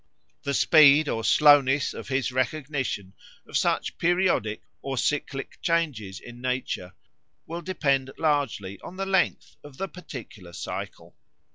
The speed or slowness of his recognition of such periodic or cyclic changes in nature will depend largely on the length of the particular cycle.